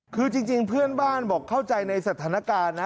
คือจริงเพื่อนบ้านบอกเข้าใจในสถานการณ์นะ